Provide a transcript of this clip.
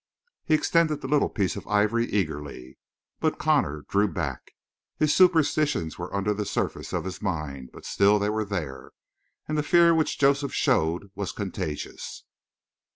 He extended the little piece of ivory eagerly, but Connor drew back. His superstitions were under the surface of his mind, but, still, they were there, and the fear which Joseph showed was contagious.